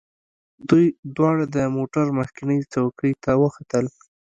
دوی دواړه د موټر مخکینۍ څوکۍ ته وختل